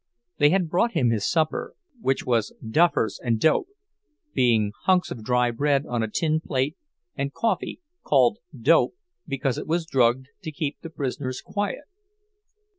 They had brought him his supper, which was "duffers and dope"—being hunks of dry bread on a tin plate, and coffee, called "dope" because it was drugged to keep the prisoners quiet.